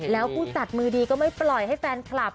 แล้วผู้จัดมือดีก็ไม่ปล่อยให้แฟนคลับ